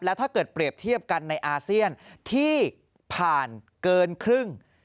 ถ้าเกิดเปรียบเทียบกันในอาเซียนที่ผ่านเกินครึ่ง